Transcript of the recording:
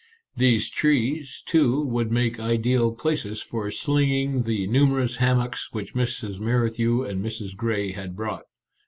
These trees, too, would make ideal places for slinging the numerous ham mocks which Mrs. Merrithew and Mrs. Grey had brought.